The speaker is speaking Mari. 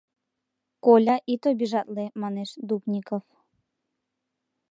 — Коля, ит обижатле, — манеш Дубников.